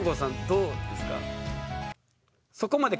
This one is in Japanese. どうですか？